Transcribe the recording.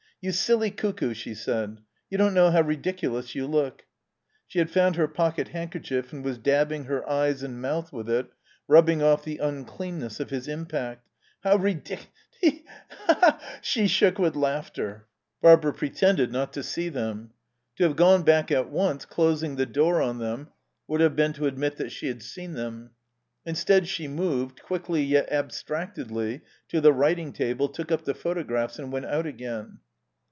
"You silly cuckoo," she said. "You don't know how ridiculous you look." She had found her pocket handkerchief and was dabbing her eyes and mouth with it, rubbing off the uncleanness of his impact. "How ridic Te hee Te hee te hee!" She shook with laughter. Barbara pretended not to see them. To have gone back at once, closing the door on them, would have been to admit that she had seen them. Instead she moved, quickly yet abstractedly, to the writing table, took up the photographs and went out again.